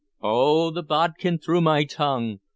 "Oh, the bodkin through my tongue!